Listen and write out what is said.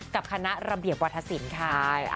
กับคณะระเบียบวัตถสินค่ะ